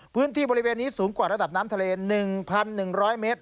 พื้นที่บริเวณนี้สูงกว่าระดับน้ำทะเล๑๑๐๐เมตร